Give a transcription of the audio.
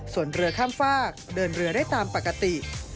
ส่วนเรือข้ามฝากเดินเรือได้ตามปกติ